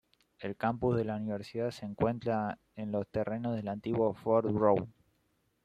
El campus de la universidad se encuentra en los terrenos del antiguo Fort Brown.